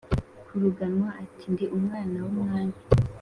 Karunganwa ati: “Ndi umwana w’umwami